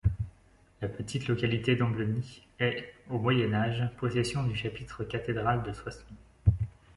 La petite localité d'Ambleny est, au Moyen Âge, possession du chapitre cathédral de Soissons.